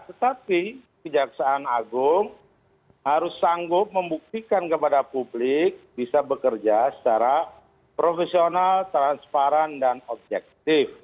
tetapi kejaksaan agung harus sanggup membuktikan kepada publik bisa bekerja secara profesional transparan dan objektif